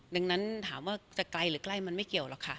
ดังนั้นถามว่าจะไกลหรือใกล้มันไม่เกี่ยวหรอกค่ะ